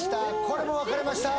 これも分かれました